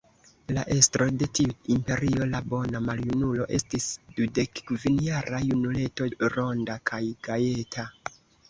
La estro de tiu imperio, la bona maljunulo, estis dudekkvinjara junuleto, ronda kaj gajeta.